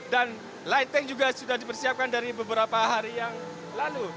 dan lighting juga sudah dipersiapkan dari beberapa hari yang lalu